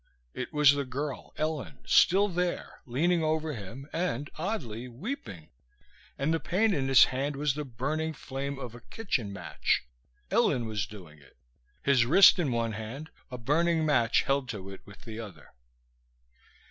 It was the girl, Ellen, still there, leaning over him and, oddly, weeping. And the pain in his hand was the burning flame of a kitchen match. Ellen was doing it, his wrist in one hand, a burning match held to it with the other.